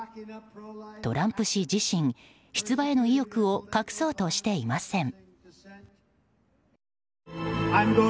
トランプ氏自身、出馬への意欲を隠そうとしていません。